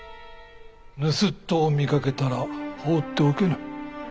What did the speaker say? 盗人を見かけたら放っておけぬ。